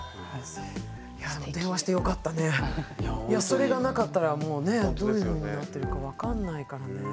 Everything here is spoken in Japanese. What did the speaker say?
それがなかったらもうねどういうふうになってるかわかんないからね。